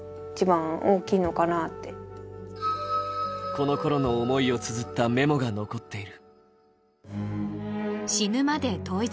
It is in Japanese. このころの思いをつづったメモが残っている。